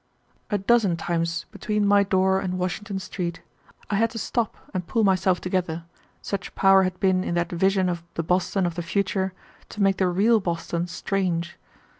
A dozen times between my door and Washington Street I had to stop and pull myself together, such power had been in that vision of the Boston of the future to make the real Boston strange.